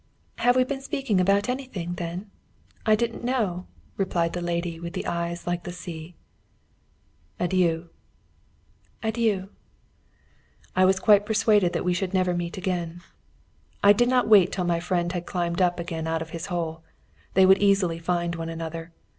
"Have we been speaking about anything, then? I didn't know!" replied the lady with the eyes like the sea. "Adieu!" "Adieu!" I was quite persuaded that we should never meet again. I did not wait till my friend had climbed up again out of his hole. They would easily find one another.